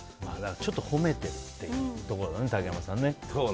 ちょっと褒めてるっていうところだね、竹山さん。